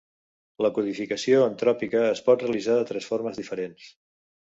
La codificació entròpica es pot realitzar de tres formes diferents.